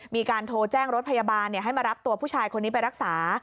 มีการโทรแจ้งรถพยาบาลให้มารับตัวผู้ชายคนนี้ไปรักษา